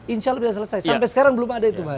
insya allah sudah selesai sampai sekarang belum ada itu